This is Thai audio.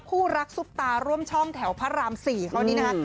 คู่รักซุปตาร่วมช่องแถวพระราม๔เขานี้นะคะ